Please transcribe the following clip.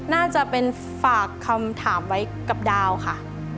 น่าจะเป็นฝากคำถามไว้กับดาวค่ะ